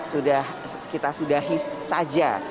sudah kita sudahi saja